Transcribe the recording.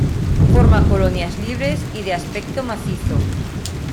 Forma colonias libres y de aspecto macizo.